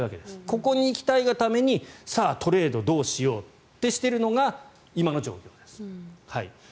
ここに行きたいがためにさあ、トレードどうしようってしてるのが今の状況です。